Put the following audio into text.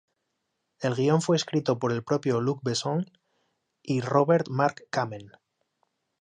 El guión fue escrito por el propio Luc Besson y Robert Mark Kamen.